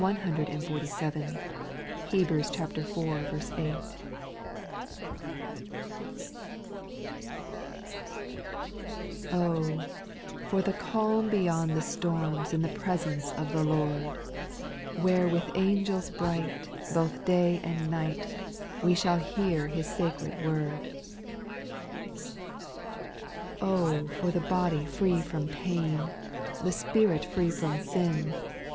SPIRITUAL S0NQ8. 201 147. Hebrews iv. 8. 1. /^H ! for the calm beyond the storms \J In the presence of the Lord, Where with angels bright, Both day and night. We shall hear His sacred word I 2. Oh ! for the body free from pain, The spirit free from sin.